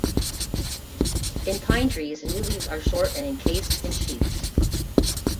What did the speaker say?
In pine trees new leaves are short and encased in sheaths.